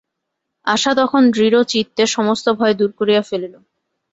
আশা তখন দৃঢ়চিত্তে সমস্ত ভয় দূর করিয়া ফেলিল।